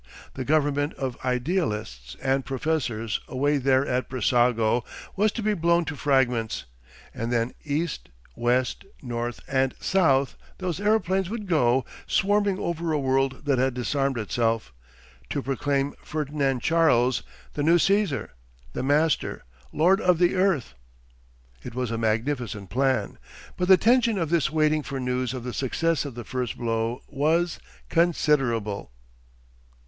The government of idealists and professors away there at Brissago was to be blown to fragments, and then east, west, north, and south those aeroplanes would go swarming over a world that had disarmed itself, to proclaim Ferdinand Charles, the new Cæsar, the Master, Lord of the Earth. It was a magnificent plan. But the tension of this waiting for news of the success of the first blow was—considerable.